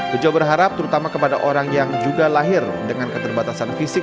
bejo berharap terutama kepada orang yang juga lahir dengan keterbatasan fisik